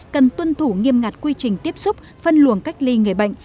cần tuân thủ nghiêm ngặt quy trình tiếp xúc phân luồng cách ly người bệnh